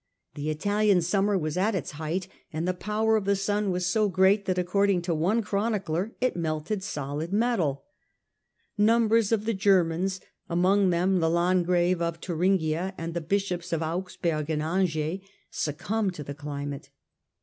The Italian summer was at its height and the power of the sun was so great that, according to one chronicler, it melted solid metal. Numbers of the Germans, among them the Landgrave of Thuringia and the Bishops of Augsberg and Angers, succumbed to the climate.